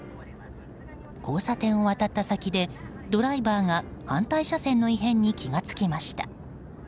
交差点を渡った先でドライバーが反対車線の異変に気が付きました。